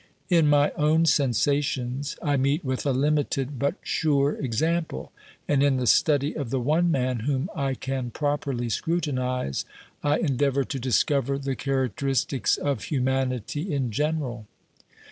In my own sensations I meet with a limited but 1 84 OBERMANN sure example, and in the study of the one man whom I can properly scrutinise, I endeavour to discover the charac teristics of humanity in general.